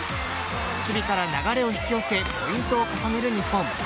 守備から流れを引き寄せポイントを重ねる日本。